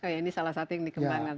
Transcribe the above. oke ini salah satu yang dikembangkan